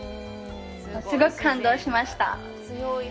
すごく感動しました。